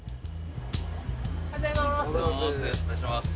おはようございます。